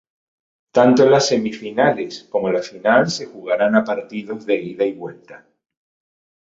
Tanto las semifinales como la final se jugaran a partidos de ida y vuelta.